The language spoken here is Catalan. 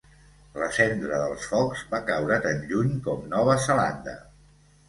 La cendra dels focs va caure tan lluny com Nova Zelanda.